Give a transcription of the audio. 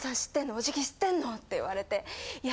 おじき知ってんの？」って言われていや